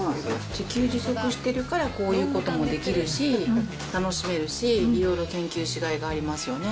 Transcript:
自給自足してるからこういうこともできるし、楽しめるし、いろいろ研究しがいがありますよね。